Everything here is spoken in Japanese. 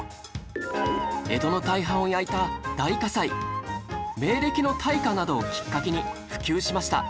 江戸の大半を焼いた大火災明暦の大火などをきっかけに普及しました